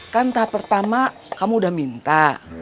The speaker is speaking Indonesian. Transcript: kan tahap pertama kamu udah minta